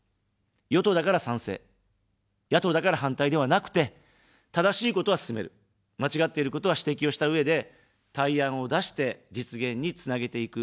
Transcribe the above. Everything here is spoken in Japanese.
与党だから賛成、野党だから反対ではなくて、正しいことは進める、間違っていることは指摘をしたうえで、対案を出して実現につなげていく。